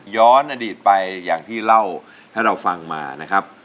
อดีตไปอย่างที่เล่าให้เราฟังมานะครับ